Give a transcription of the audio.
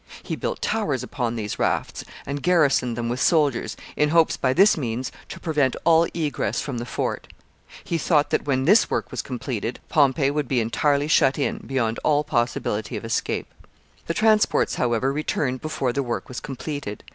He built towers upon these rafts, and garrisoned them with soldiers, in hopes by this means to prevent all egress from the fort. He thought that, when this work was completed, Pompey would be entirely shut in, beyond all possibility of escape. [Sidenote: He besieges Pompey.] [Sidenote: Pompey's plan of escape.] The transports, however, returned before the work was completed.